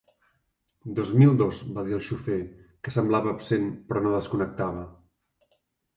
Dos mil dos —va dir el xofer, que semblava absent però no desconnectava—.